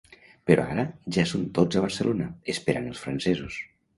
Però ara ja són tots a Barcelona, esperant els francesos